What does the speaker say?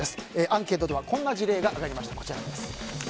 アンケートではこんな事例が挙がりました。